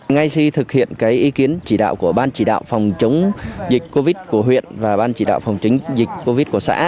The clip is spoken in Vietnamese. ngay khi thực hiện ý kiến chỉ đạo của ban chỉ đạo phòng chống dịch covid của huyện và ban chỉ đạo phòng chống dịch covid của xã